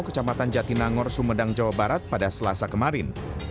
kecamatan jatinangor sumedang jawa barat pada selasa kemarin